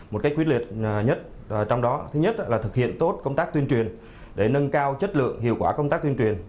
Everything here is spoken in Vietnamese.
một cách quyết liệt nhất trong đó thứ nhất là thực hiện tốt công tác tuyên truyền để nâng cao chất lượng hiệu quả công tác tuyên truyền